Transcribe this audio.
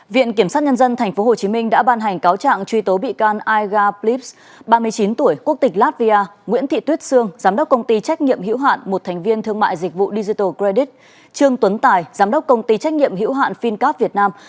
viện kiểm sát nhân dân tp hcm đã ban hành cáo trạng truy tố bị can aiga blips ba mươi chín tuổi quốc tịch latvia nguyễn thị tuyết sương giám đốc công ty trách nhiệm hữu hạn một thành viên thương mại dịch vụ digital credit trương tuấn tài giám đốc công ty trách nhiệm hữu hạn fincap việt nam và một mươi bị can khác